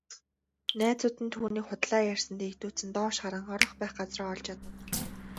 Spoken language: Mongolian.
Найзууд нь түүнийг худлаа ярьсанд эвгүйцэн доош харан орох байх газраа олж ядав.